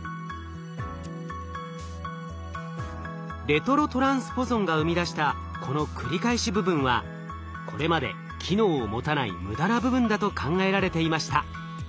レトロトランスポゾンが生み出したこの繰り返し部分はこれまで機能を持たない無駄な部分だと考えられていました。